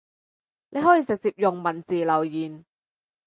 你可以直接用文字留言